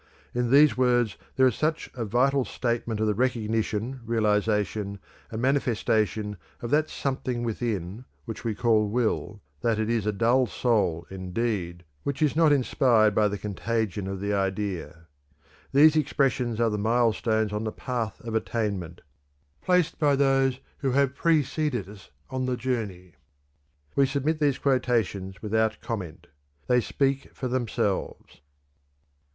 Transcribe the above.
In these words there is such a vital statement of the recognition, realization, and manifestation of that something within, which we call "will," that it is a dull soul, indeed, which is not inspired by the contagion of the idea. These expressions are the milestones on the Path of Attainment, placed by those who have preceded us on the journey. We submit these quotations without comment; they speak for themselves.